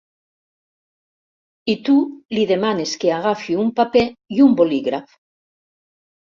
I tu li demanes que agafi un paper i un bolígraf.